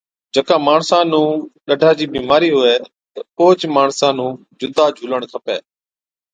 جڪا ماڻسا نُون ڏَدرا چِي بِيمارِي هُوَي، تہ اوهچ ماڻسا نُون جُدا جھُولڻ کپَي